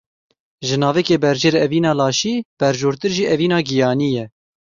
Ji navikê berjêr evîna laşî, berjortir jî evîna giyanî ye.